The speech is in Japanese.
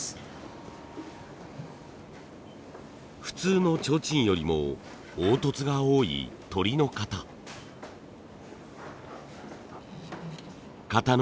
普通のちょうちんよりも凹凸が多いとりの型。